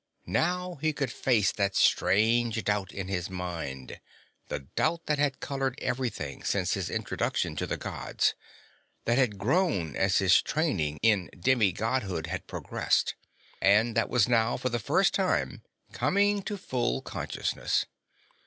Now he could face that strange doubt in his mind, the doubt that had colored everything since his introduction to the Gods, that had grown as his training in demi Godhood had progressed, and that was now, for the first time, coming to full consciousness.